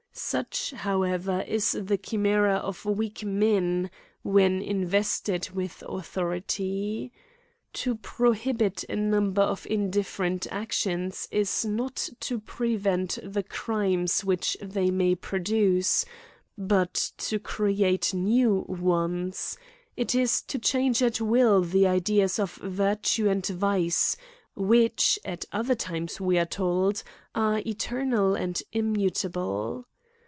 Such, however is the chimera of weak men, when in vested with authority. To prohibit a number of indifferent actions is no^to prevent the crimes which they may produce, but to create new ones, it is to change at will the ideas of virtue and vice, which, at other times, we are' told, are eter nal and immutable.